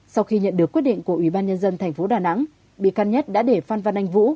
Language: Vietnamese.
sau khi nhận được quyết định của ủy ban nhân dân tp đà nẵng bị can nhất đã để phan ranh vũ